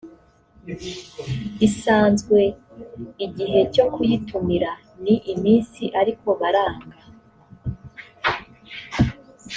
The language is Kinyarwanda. isanzwe igihe cyo kuyitumira ni iminsi ariko baranga